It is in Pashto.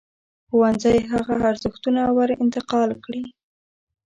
ښوونځی هغه ارزښتونه ور انتقال کړي.